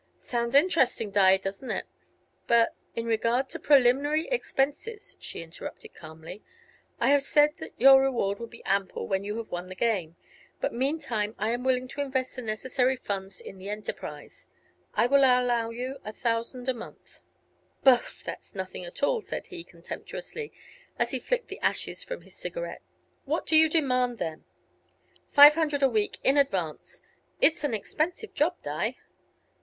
"Sounds interesting, Di, doesn't it? But " "In regard to preliminary expenses," she interrupted, calmly, "I have said that your reward will be ample when you have won the game. But meantime I am willing to invest the necessary funds in the enterprise. I will allow you a thousand a month." "Bah! that's nothing at all!" said he, contemptuously, as he flicked the ashes from his cigarette. "What do you demand, then?" "Five hundred a week, in advance. It's an expensive job, Di."